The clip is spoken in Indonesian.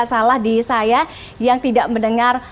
salah di saya yang tidak mendengar